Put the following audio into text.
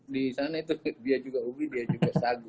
di sana itu dia juga ubi dia juga sagu